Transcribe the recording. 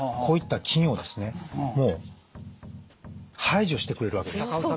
こういった菌をですねもう排除してくれるわけです。